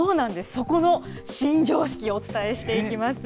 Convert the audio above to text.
そこの新常識をお伝えしていきます。